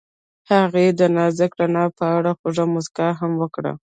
هغې د نازک رڼا په اړه خوږه موسکا هم وکړه.